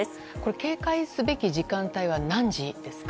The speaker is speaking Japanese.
警戒すべき時間帯は何時ですか？